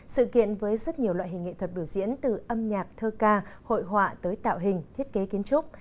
sự kiện với rất nhiều loại hình nghệ thuật biểu diễn từ âm nhạc thơ ca hội họa tới tạo hình thiết kế kiến trúc